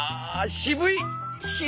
渋い！